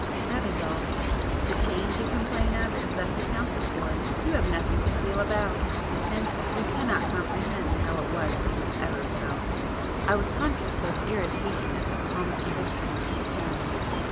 That is all. The 'change' you complain of is thus accounted for;—you have nothing to feel about,—hence you cannot comprehend how it was that you ever felt." I was conscious of irritation at the calm conviction of his tone.